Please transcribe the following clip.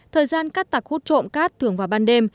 thời gian cắt tặc hút trộm cát thường vào ban đêm